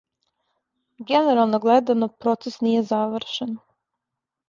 Генерално гледано процес није завршен.